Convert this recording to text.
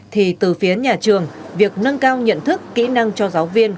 thì từ phía nhà trường việc nâng cao nhận thức kỹ năng cho giáo viên